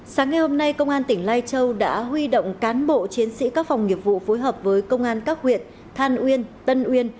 sáng ngày hôm nay công an tỉnh lai châu đã huy động cán bộ chiến sĩ các phòng nghiệp vụ phối hợp với công an các huyện than uyên tân uyên